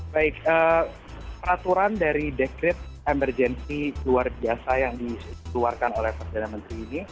baik peraturan dari dekret emergensi luar biasa yang dikeluarkan oleh perdana menteri ini